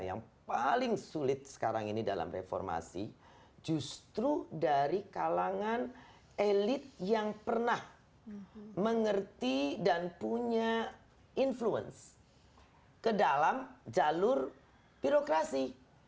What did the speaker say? yang paling sulit sekarang ini dalam reformasi justru dari kalangan elit yang pernah mengerti dan punya influence ke dalam jalur birokrasi